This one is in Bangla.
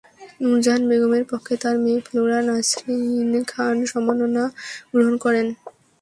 নূরজাহান বেগমের পক্ষে তাঁর মেয়ে ফ্লোরা নাসরীন খান সম্মাননা গ্রহণ করেন।